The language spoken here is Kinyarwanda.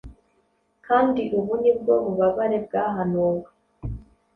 kandi ubu ni bwo bubabare bwahanuwe. '